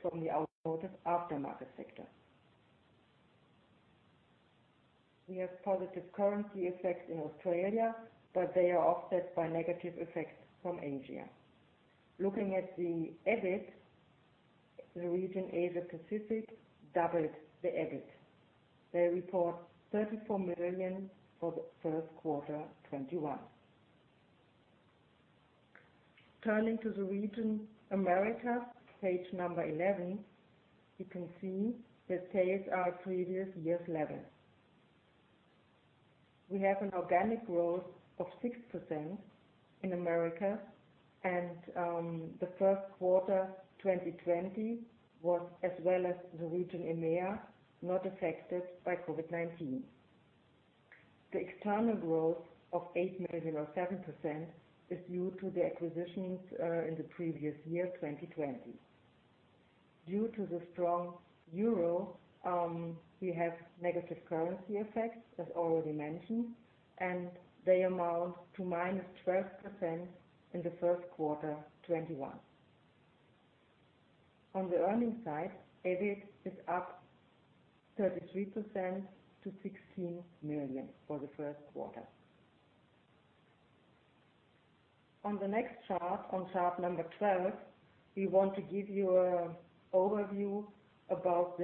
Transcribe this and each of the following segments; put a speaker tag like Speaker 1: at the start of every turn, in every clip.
Speaker 1: from the automotive aftermarket sector. We have positive currency effects in Australia, but they are offset by negative effects from Asia. Looking at the EBIT, the region Asia Pacific doubled the EBIT. They report 34 million for the first quarter 2021. Turning to the region Americas, page number 11, you can see the sales are at previous year's level. We have an organic growth of 6% in America and the first quarter 2020 was, as well as the region EMEA, not affected by COVID-19. The external growth of 8 million or 7% is due to the acquisitions in the previous year 2020. Due to the strong euro, we have negative currency effects, as already mentioned, and they amount to -12% in the first quarter 2021. On the earnings side, EBIT is up 33% to 16 million for the first quarter. On the next chart, on chart number 12, we want to give you an overview about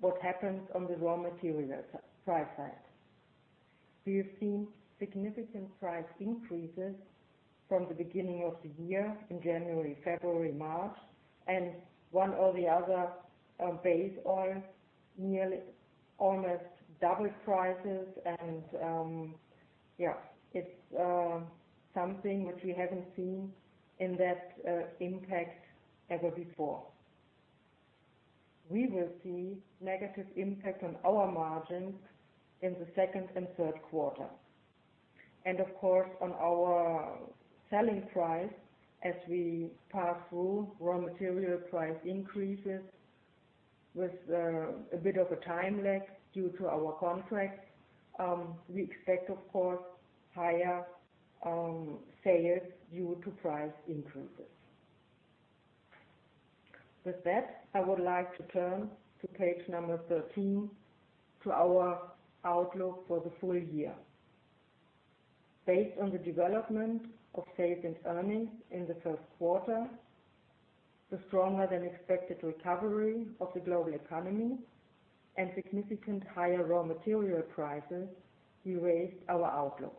Speaker 1: what happened on the raw material price side. We have seen significant price increases from the beginning of the year in January, February, March, and one or the other base oil nearly almost doubled prices and it's something which we haven't seen in that impact ever before. We will see negative impact on our margins in the second and third quarter. Of course, on our selling price, as we pass through raw material price increases with a bit of a time lag due to our contracts. We expect, of course, higher sales due to price increases. With that, I would like to turn to page number 13 to our outlook for the full year. Based on the development of sales and earnings in the first quarter, the stronger than expected recovery of the global economy and significant higher raw material prices, we raised our outlook.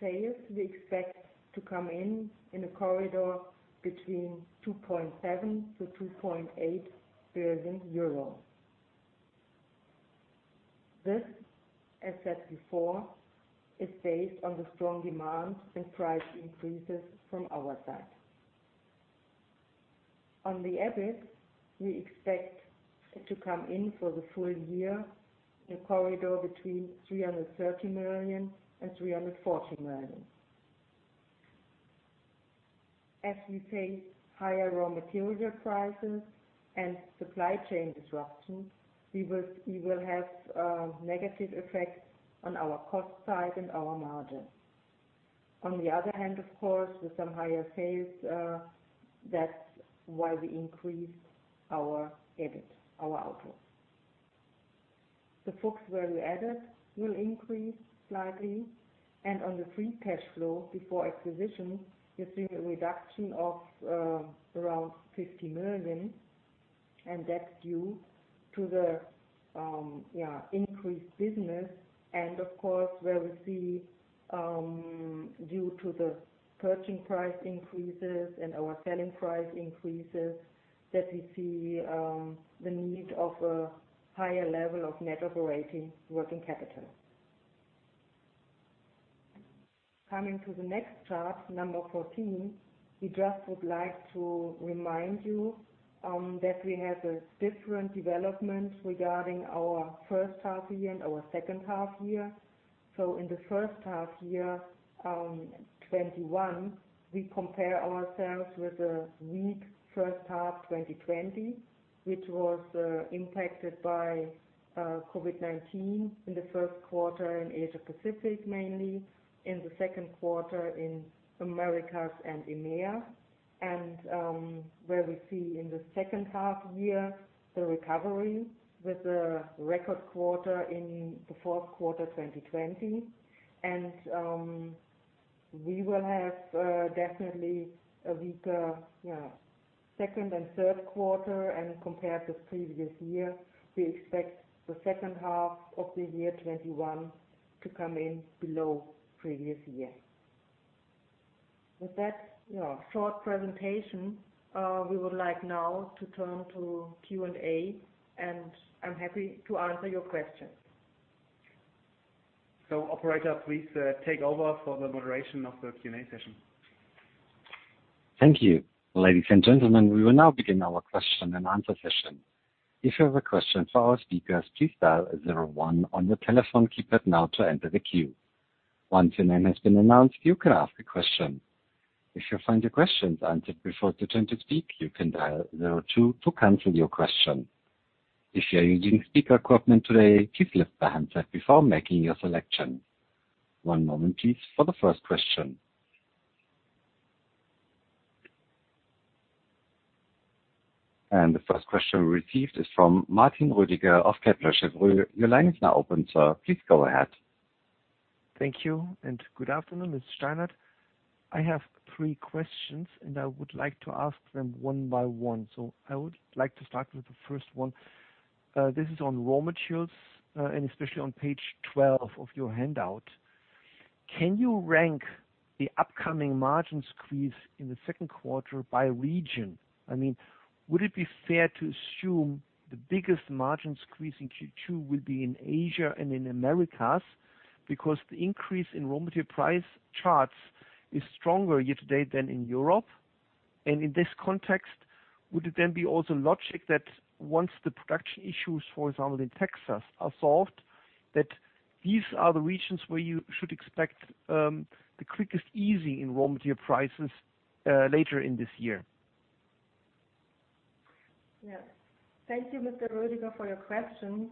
Speaker 1: Sales we expect to come in a corridor between 2.7 billion-2.8 billion euro. This, as said before, is based on the strong demand and price increases from our side. On the EBIT, we expect it to come in for the full year in a corridor between 330 million and 340 million. As we face higher raw material prices and supply chain disruptions, we will have a negative effect on our cost side and our margins. On the other hand, of course, with some higher sales, that's why we increased our EBIT, our outlook. The FUCHS Value Added will increase slightly. On the free cash flow before acquisition, you see a reduction of around 50 million, and that's due to the increased business and, of course, where we see due to the purchasing price increases and our selling price increases, that we see the need of a higher level of net operating working capital. Coming to the next chart, number 14, we just would like to remind you that we have a different development regarding our first half year and our second half year. In the first half year 2021, we compare ourselves with a weak first half 2020, which was impacted by COVID-19 in the first quarter in Asia Pacific, mainly, in the second quarter in Americas and EMEA. Where we see in the second half year the recovery with a record quarter in the fourth quarter 2020. We will have definitely a weaker second and third quarter and compared to previous year, we expect the second half of the year 2021 to come in below previous year. With that short presentation, we would like now to turn to Q&A, and I'm happy to answer your questions.
Speaker 2: Operator, please take over for the moderation of the Q&A session.
Speaker 3: Thank you. Ladies and gentlemen, we will now begin our question and answer session. If you have a question for our speakers, please dial zero one on your telephone keypad now to enter the queue. Once your name has been announced, you can ask the question. If you find your question answered before it's your turn to speak, you can dial zero two to cancel your question. If you are using speaker equipment today, please lift the handset before making your selection. One moment please, for the first question. The first question we received is from Martin Roediger of Kepler Cheuvreux. Your line is now open, sir. Please go ahead.
Speaker 4: Thank you, and good afternoon, Ms. Steinert. I have three questions, and I would like to ask them one by one. I would like to start with the first one. This is on raw materials, and especially on page 12 of your handout. Can you rank the upcoming margins squeeze in the second quarter by region? Would it be fair to assume the biggest margins squeeze in Q2 will be in Asia and in Americas? Because the increase in raw material price charts is stronger year-to-date than in Europe. In this context, would it then be also logic that once the production issues, for example, in Texas are solved, that these are the regions where you should expect the quickest easing in raw material prices later in this year?
Speaker 1: Yes. Thank you, Mr. Roediger, for your questions.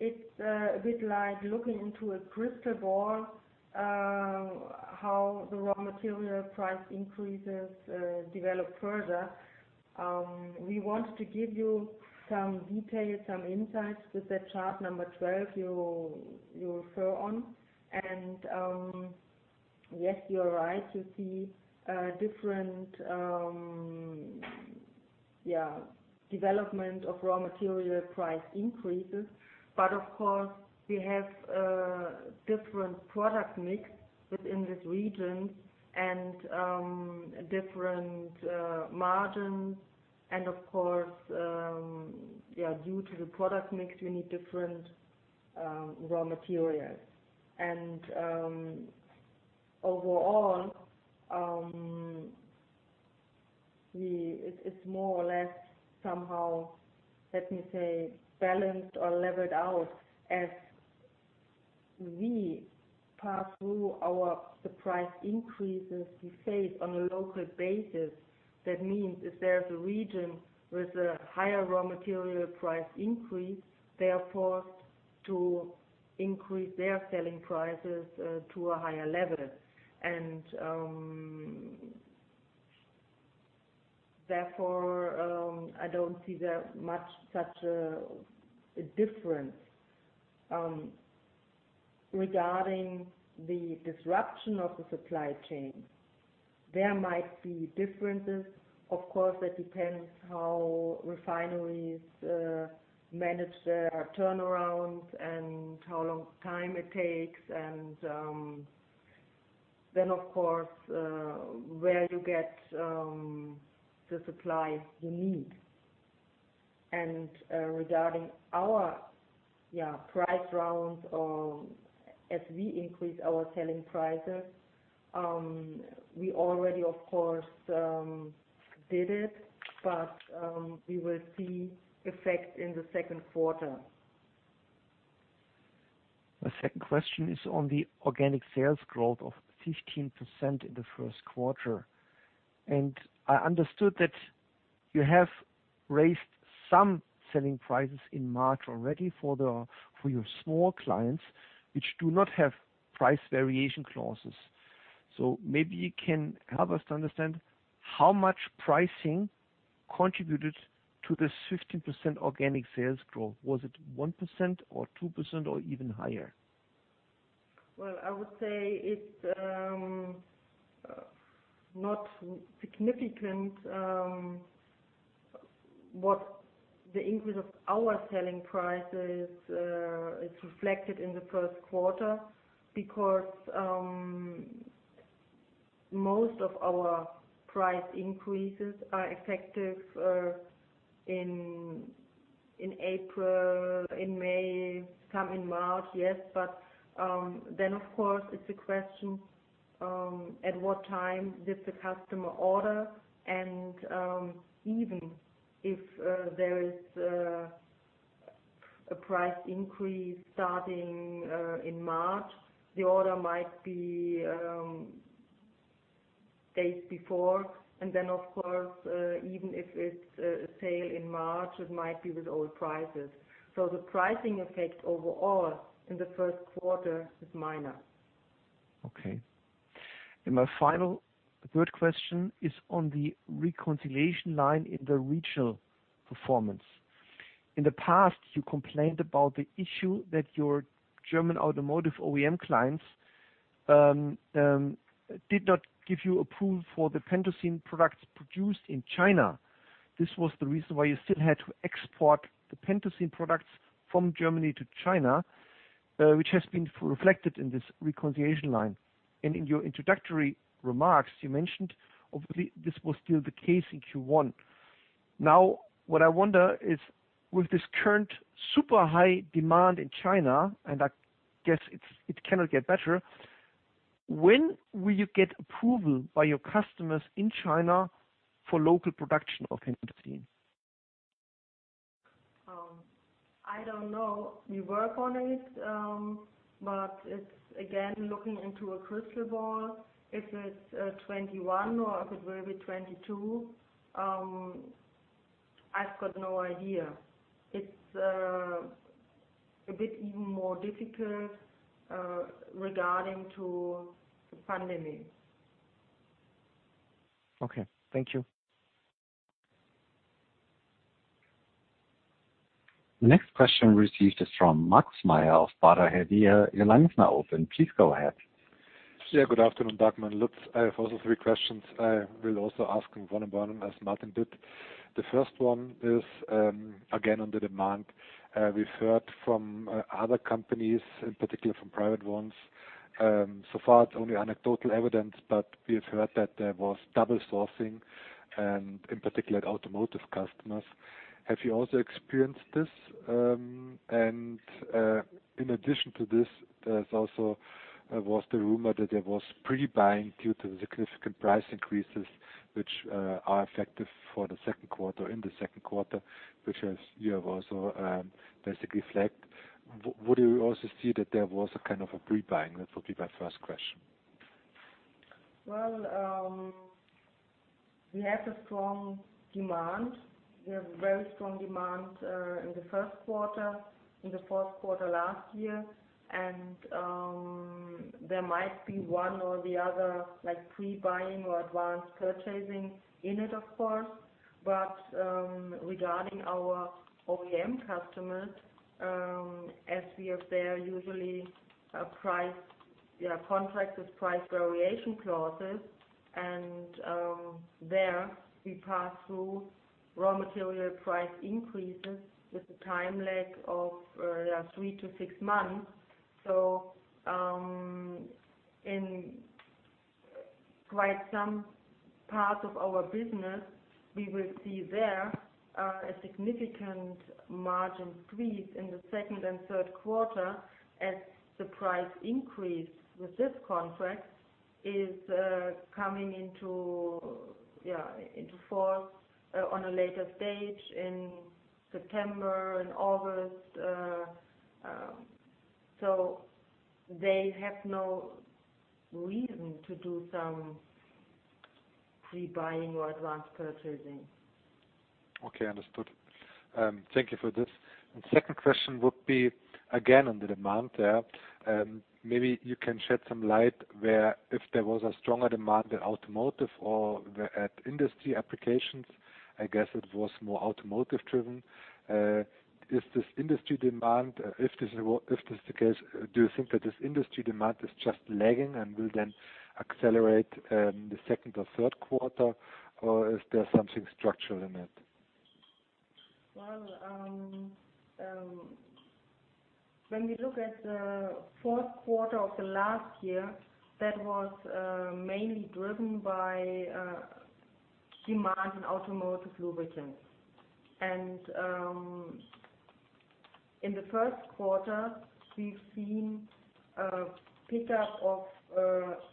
Speaker 1: It's a bit like looking into a crystal ball, how the raw material price increases develop further. We wanted to give you some details, some insights with that chart number 12 you refer on. Yes, you're right. You see a different development of raw material price increases. Of course, we have different product mix within these regions and different margins. Of course, due to the product mix, we need different raw materials. Overall, it's more or less somehow, let me say, balanced or leveled out as we pass through our price increases we face on a local basis. That means if there's a region with a higher raw material price increase, they are forced to increase their selling prices to a higher level. Therefore, I don't see such a difference. Regarding the disruption of the supply chain, there might be differences. Of course, that depends how refineries manage their turnaround and how long time it takes, and then, of course, where you get the supplies you need. Regarding our price rounds as we increase our selling prices, we already of course did it, but we will see effect in the second quarter.
Speaker 4: My second question is on the organic sales growth of 15% in the first quarter. I understood that you have raised some selling prices in March already for your small clients, which do not have price variation clauses. Maybe you can help us to understand how much pricing contributed to this 15% organic sales growth. Was it 1% or 2% or even higher?
Speaker 1: Well, I would say it's not significant what the increase of our selling prices is reflected in the first quarter, because most of our price increases are effective in April, in May, some in March, yes. Of course, it's a question, at what time did the customer order? Even if there is a price increase starting in March, the order might be days before, of course, even if it's a sale in March, it might be with old prices. The pricing effect overall in the first quarter is minor.
Speaker 4: Okay. My final third question is on the reconciliation line in the regional performance. In the past, you complained about the issue that your German automotive OEM clients did not give you approval for the PENTOSIN products produced in China. This was the reason why you still had to export the PENTOSIN products from Germany to China, which has been reflected in this reconciliation line. In your introductory remarks, you mentioned, obviously, this was still the case in Q1. Now, what I wonder is, with this current super high demand in China, and I guess it cannot get better, when will you get approval by your customers in China for local production of PENTOSIN?
Speaker 1: I don't know. We work on it. It's again, looking into a crystal ball. If it's 2021 or if it will be 2022. I've got no idea. It's a bit even more difficult regarding to the pandemic.
Speaker 4: Okay. Thank you.
Speaker 3: Next question received is from Markus Mayer of Baader Helvea. Your line is now open. Please go ahead.
Speaker 5: Yeah, good afternoon, Dagmar and Lutz. I have also three questions. I will also ask one about, as Martin did. The first one is, again, on the demand. We've heard from other companies, in particular from private ones. Far, it's only anecdotal evidence, but we have heard that there was double sourcing and in particular automotive customers. Have you also experienced this? In addition to this, there also was the rumor that there was pre-buying due to the significant price increases, which are effective for the second quarter, in the second quarter, which you have also basically flagged. Would you also see that there was a kind of a pre-buying? That would be my first question.
Speaker 1: Well, we have a strong demand. We have very strong demand in the first quarter, in the fourth quarter last year. There might be one or the other pre-buying or advance purchasing in it, of course. Regarding our OEM customers, as we have their usual contract with price variation clauses, there we pass through raw material price increases with a time lag of three-six months. In quite some part of our business, we will see there are a significant margin squeeze in the second and third quarter as the price increase with this contract is coming into force on a later stage in September and August. They have no reason to do some pre-buying or advance purchasing.
Speaker 5: Okay, understood. Thank you for this. Second question would be, again, on the demand there. Maybe you can shed some light where if there was a stronger demand at automotive or at industry applications, I guess it was more automotive driven. If this is the case, do you think that this industry demand is just lagging and will then accelerate in the second or third quarter, or is there something structural in it?
Speaker 1: Well, when we look at the fourth quarter of the last year, that was mainly driven by demand in automotive lubricants. In the first quarter, we've seen a pickup of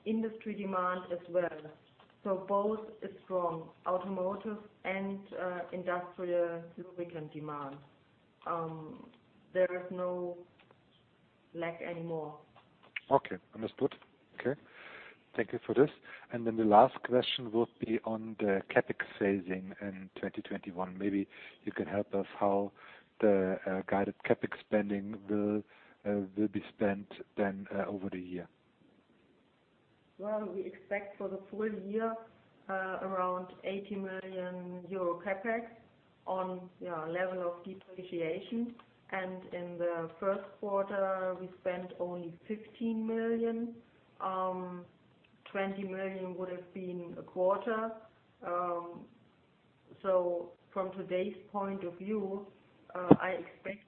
Speaker 1: industry demand as well, both a strong automotive and industrial lubricant demand. There is no lag anymore.
Speaker 5: Okay, understood. Okay. Thank you for this. The last question would be on the CapEx phasing in 2021. Maybe you can help us how the guided CapEx spending will be spent then over the year.
Speaker 1: Well, we expect for the full year around 80 million euro CapEx on level of depreciation. In the first quarter, we spent only 15 million. 20 million would have been a quarter. From today's point of view, I expect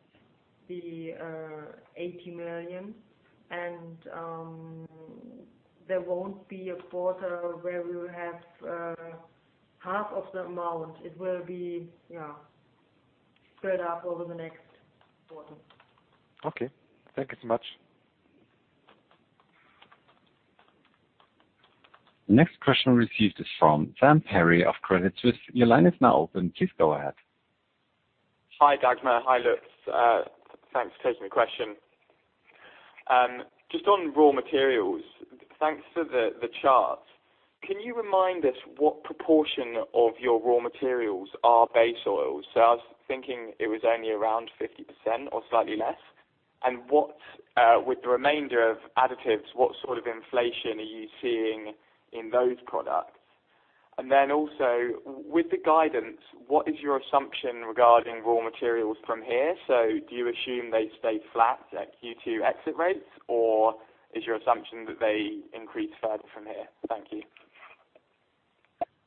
Speaker 1: the 80 million and there won't be a quarter where we will have half of the amount. It will be spread out over the next quarter.
Speaker 5: Okay. Thank you so much.
Speaker 3: Next question received is from Sam Perry of Credit Suisse. Your line is now open. Please go ahead.
Speaker 6: Hi, Dagmar. Hi, Lutz. Thanks for taking the question. Just on raw materials, thanks for the charts. Can you remind us what proportion of your raw materials are base oils? I was thinking it was only around 50% or slightly less. With the remainder of additives, what sort of inflation are you seeing in those products? Also with the guidance, what is your assumption regarding raw materials from here? Do you assume they stay flat at Q2 exit rates, or is your assumption that they increase further from here? Thank you.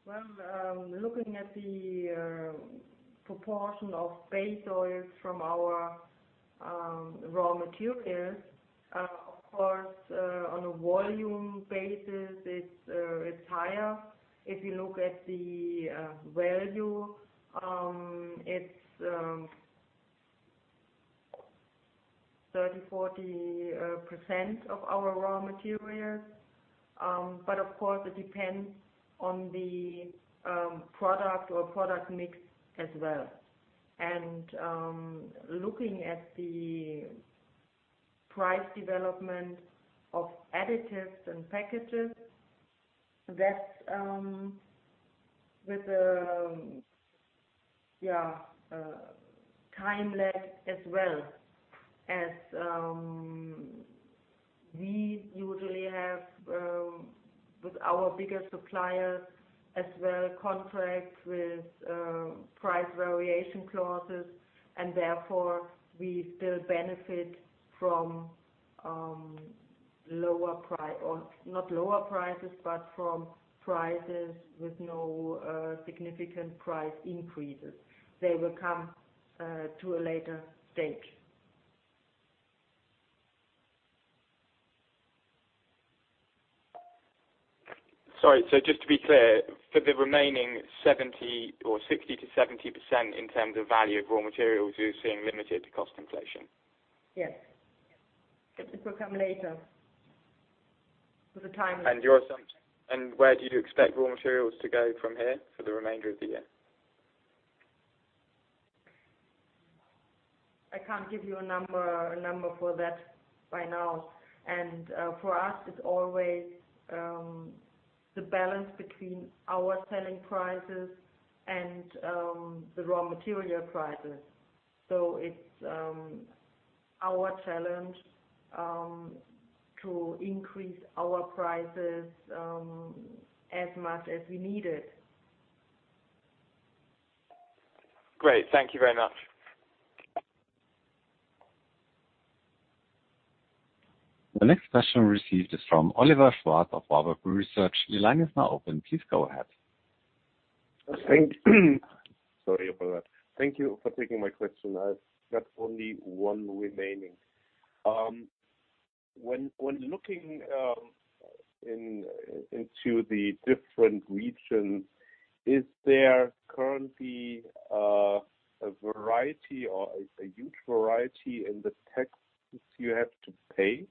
Speaker 1: Well, looking at the proportion of base oils from our raw materials, of course, on a volume basis, it's higher. If you look at the value, it's 30%, 40% of our raw materials. Of course, it depends on the product or product mix as well. Looking at the price development of additives and packages. That's with the time lag as well, as we usually have with our bigger suppliers as well, contracts with price variation clauses, and therefore, we still benefit from prices with no significant price increases. They will come to a later stage.
Speaker 6: Sorry. Just to be clear, for the remaining 60%-70% in terms of value of raw materials, you're seeing limited cost inflation?
Speaker 1: Yes. It will come later with the time lag.
Speaker 6: Where do you expect raw materials to go from here for the remainder of the year?
Speaker 1: I can't give you a number for that right now. For us, it's always the balance between our selling prices and the raw material prices. It's our challenge to increase our prices as much as we need it.
Speaker 6: Great. Thank you very much.
Speaker 3: The next question received is from Oliver Schwarz of Warburg Research. Your line is now open. Please go ahead.
Speaker 7: Sorry about that. Thank you for taking my question. I've got only one remaining. When looking into the different regions, is there currently a huge variety in the taxes you have to pay,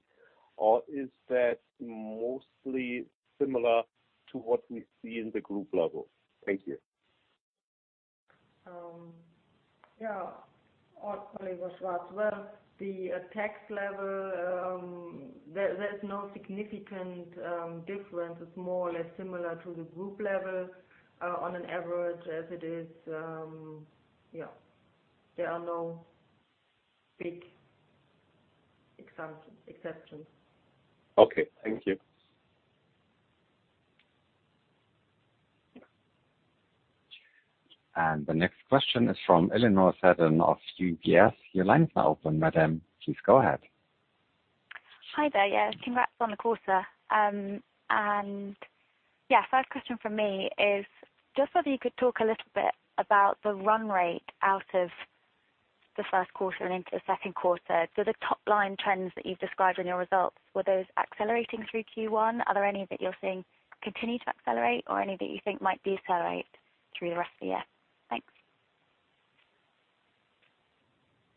Speaker 7: or is that mostly similar to what we see in the group level? Thank you.
Speaker 1: Yeah. Oliver Schwarz. Well, the tax level, there's no significant difference. It's more or less similar to the group level on an average as it is. There are no big exceptions.
Speaker 7: Okay. Thank you.
Speaker 3: The next question is from Eleanor Seddon of UBS. Your line is now open, madam. Please go ahead.
Speaker 8: Hi there. Congrats on the quarter. First question from me is just whether you could talk a little bit about the run rate out of the first quarter and into the second quarter. The top-line trends that you've described in your results, were those accelerating through Q1? Are there any that you're seeing continue to accelerate or any that you think might decelerate through the rest of the year?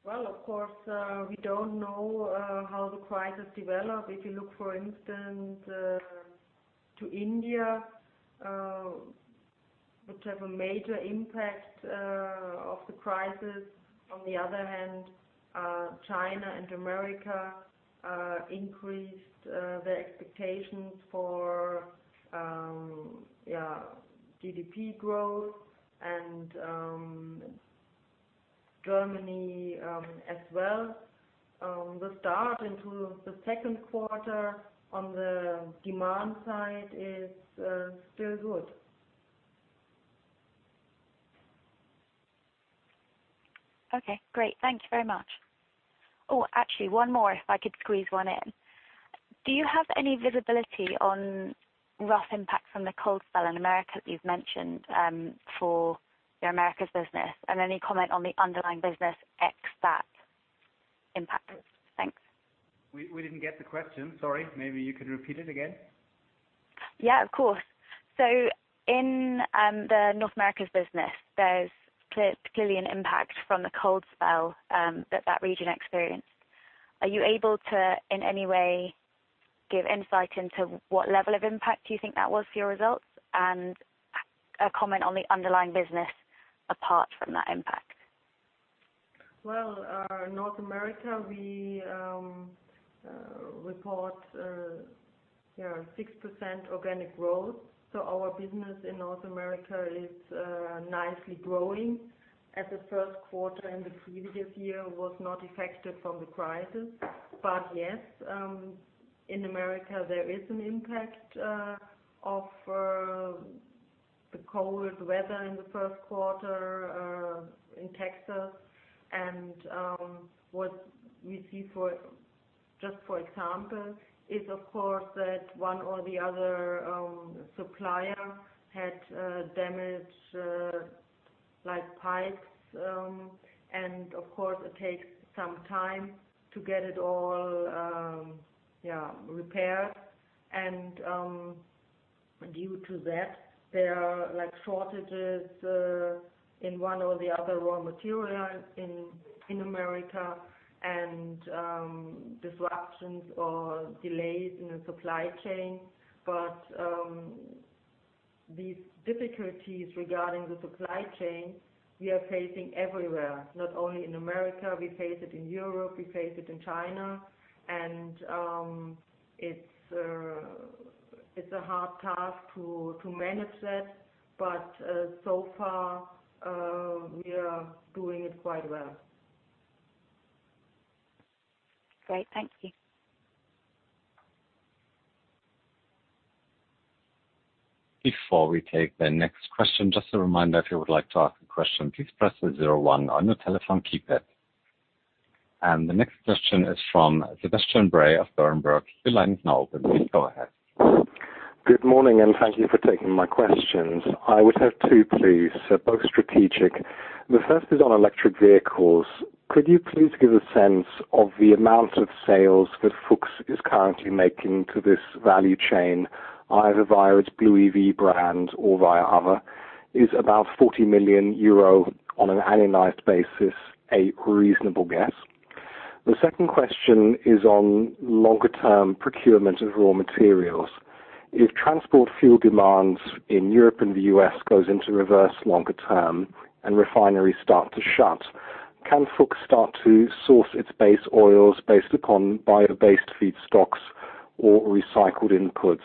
Speaker 8: Thanks.
Speaker 1: Well, of course, we don't know how the crisis develop. If you look, for instance, to India, which have a major impact of the crisis. On the other hand, China and America increased their expectations for GDP growth and Germany as well. The start into the second quarter on the demand side is still good.
Speaker 8: Okay, great. Thank you very much. Actually, one more, if I could squeeze one in. Do you have any visibility on rough impact from the cold spell in America that you've mentioned for your Americas business? Any comment on the underlying business X that impact is. Thanks.
Speaker 2: We didn't get the question. Sorry. Maybe you could repeat it again.
Speaker 8: Yeah, of course. In the North Americas business, there's clearly an impact from the cold spell that region experienced. Are you able to, in any way, give insight into what level of impact do you think that was for your results and a comment on the underlying business apart from that impact?
Speaker 1: Well, North America, we report 6% organic growth. Our business in North America is nicely growing as the first quarter in the previous year was not affected from the crisis. Yes, in America, there is an impact of the cold weather in the first quarter in Texas. What we see just for example, is, of course, that one or the other supplier had damage like pipes. Of course, it takes some time to get it all repaired. Due to that, there are shortages in one or the other raw material in America and disruptions or delays in the supply chain. These difficulties regarding the supply chain, we are facing everywhere, not only in America. We face it in Europe, we face it in China, it's a hard task to manage that. So far, we are doing it quite well.
Speaker 8: Great. Thank you.
Speaker 3: Before we take the next question, just a reminder, if you would like to ask a question, please press the zero one on your telephone keypad. The next question is from Sebastian Bray of Berenberg. Your line is now open. Please go ahead.
Speaker 9: Good morning, and thank you for taking my questions. I would have two, please, both strategic. The first is on electric vehicles. Could you please give a sense of the amount of sales that Fuchs is currently making to this value chain, either via its FUCHS BluEV brand or via other? Is about 40 million euro on an annualized basis a reasonable guess? The second question is on longer-term procurement of raw materials. If transport fuel demands in Europe and the U.S. goes into reverse longer term and refineries start to shut, can Fuchs start to source its base oils based upon bio-based feedstocks or recycled inputs?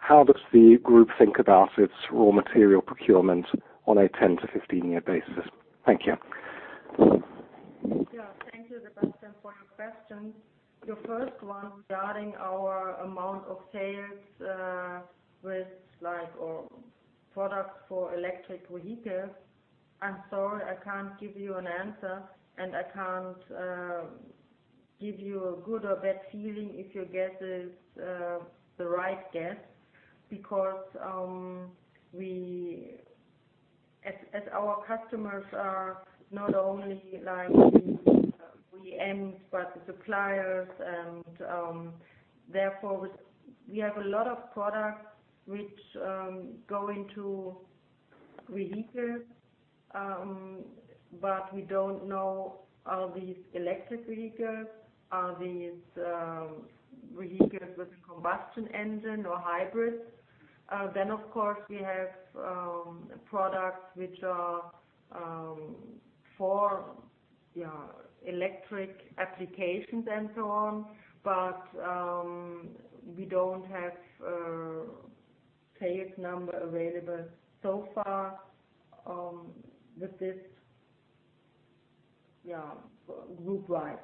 Speaker 9: How does the group think about its raw material procurement on a 10 to 15-year basis? Thank you.
Speaker 1: Thank you, Sebastian, for your questions. Your first one regarding our amount of sales with products for electric vehicles, I'm sorry, I can't give you an answer, and I can't give you a good or bad feeling if your guess is the right guess because as our customers are not only like OEMs, but suppliers and, therefore, we have a lot of products which go into vehicles, but we don't know, are these electric vehicles? Are these vehicles with combustion engine or hybrids? Of course, we have products which are for electric applications and so on. We don't have sales number available so far with this group wide.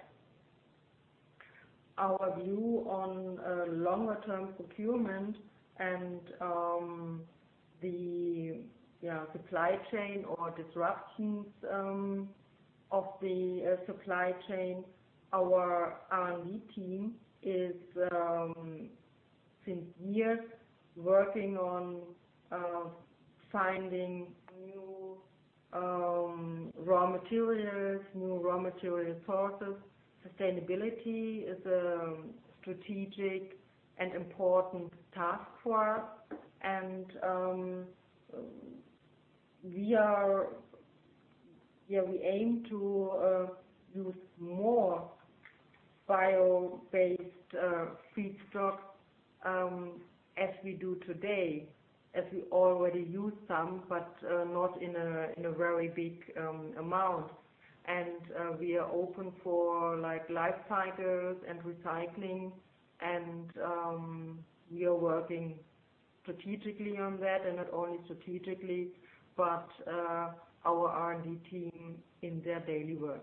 Speaker 1: Our view on longer term procurement and the supply chain or disruptions of the supply chain, our R&D team is since years working on finding new raw materials, new raw material sources. Sustainability is a strategic and important task for us. We aim to use more bio-based feedstock, as we do today, as we already use some, but not in a very big amount. We are open for life cycles and recycling and, we are working strategically on that, and not only strategically, but our R&D team in their daily work.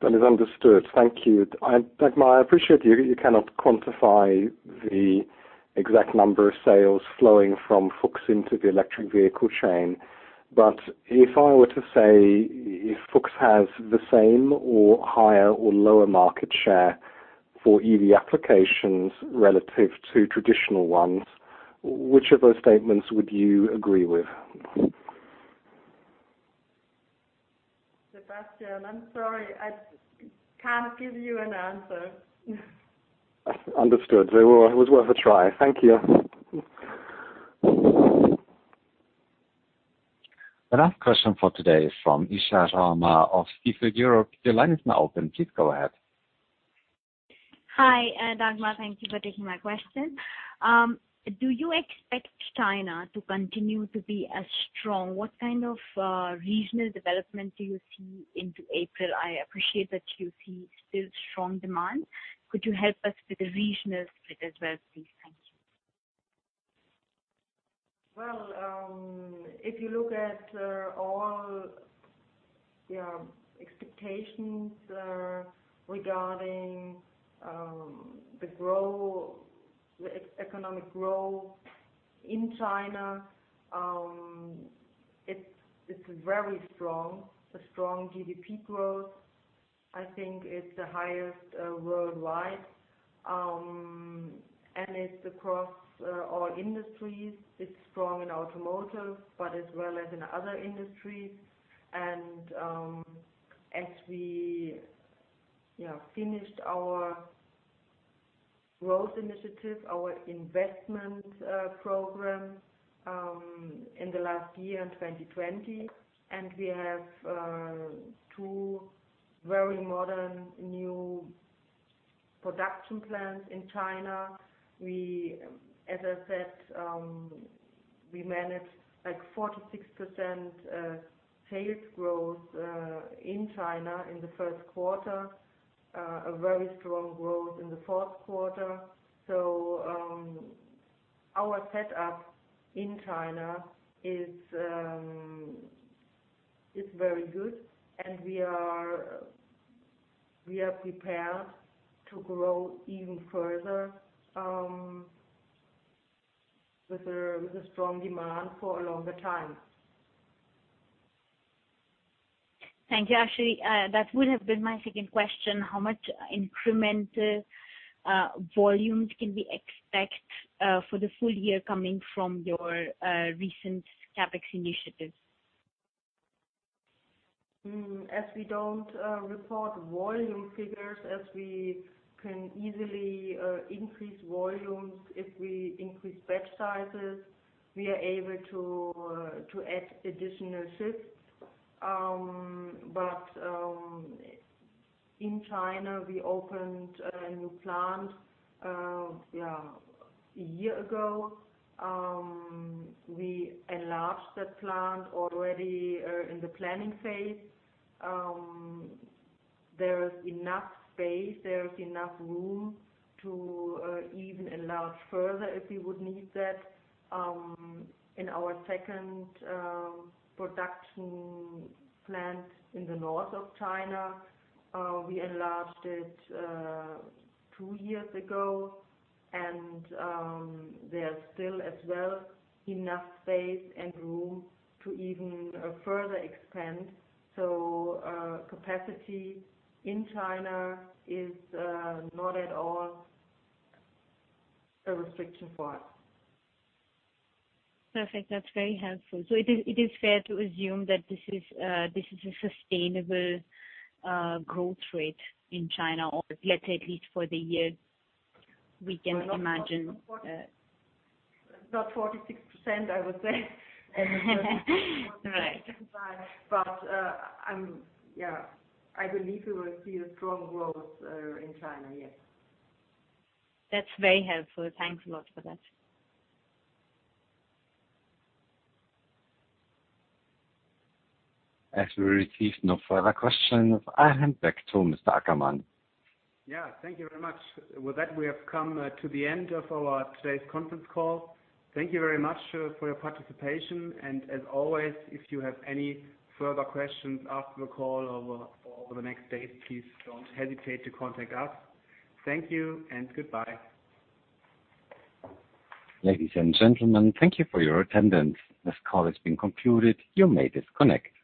Speaker 9: That is understood. Thank you. Dagmar, I appreciate you cannot quantify the exact number of sales flowing from Fuchs into the electric vehicle chain. If I were to say, if Fuchs has the same or higher or lower market share for EV applications relative to traditional ones, which of those statements would you agree with?
Speaker 1: Sebastian, I'm sorry, I can't give you an answer.
Speaker 9: Understood. Well, it was worth a try. Thank you.
Speaker 3: The last question for today is from Isha Sharma of Stifel Europe. Your line is now open. Please go ahead.
Speaker 10: Hi, Dagmar. Thank you for taking my question. Do you expect China to continue to be as strong? What kind of regional development do you see into April? I appreciate that you see still strong demand. Could you help us with the regional split as well, please? Thank you.
Speaker 1: Well, if you look at all expectations regarding the economic growth in China, it is very strong. A strong GDP growth, I think it is the highest worldwide, and it is across all industries. It is strong in automotive, but as well as in other industries. As we finished our growth initiative, our investment program in the last year, in 2020, and we have two very modern new production plant in China. As I said, we managed 46% sales growth in China in the first quarter, a very strong growth in the fourth quarter. Our setup in China is very good, and we are prepared to grow even further with a strong demand for a longer time.
Speaker 10: Thank you. Actually, that would have been my second question. How much incremental volumes can we expect for the full year coming from your recent CapEx initiatives?
Speaker 1: As we don't report volume figures, as we can easily increase volumes if we increase batch sizes, we are able to add additional shifts. In China, we opened a new plant a year ago. We enlarged that plant already in the planning phase. There is enough space, there is enough room to even enlarge further if we would need that. In our second production plant in the north of China, we enlarged it two years ago, and there's still, as well, enough space and room to even further expand. Capacity in China is not at all a restriction for us.
Speaker 10: Perfect. That's very helpful. It is fair to assume that this is a sustainable growth rate in China, or let's say at least for the year, we can imagine.
Speaker 1: Not 46%, I would say.
Speaker 10: Right.
Speaker 1: I believe we will see a strong growth in China, yes.
Speaker 10: That's very helpful. Thanks a lot for that.
Speaker 3: As we receive no further questions, I hand back to Mr. Ackermann.
Speaker 2: Yeah, thank you very much. With that, we have come to the end of our today's conference call. Thank you very much for your participation, and as always, if you have any further questions after the call or over the next days, please don't hesitate to contact us. Thank you and goodbye.
Speaker 3: Ladies and gentlemen, thank you for your attendance. This call has been concluded. You may disconnect.